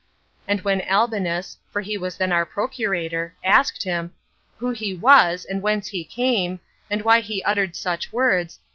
And when Albinus [for he was then our procurator] asked him, Who he was? and whence he came? and why he uttered such words?